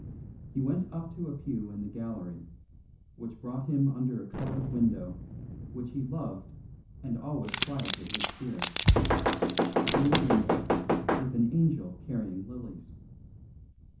He went up to a pew in the gallery, which brought him under a coloured window which he loved and always quieted his spirit; a blue window with an angel carrying lilies.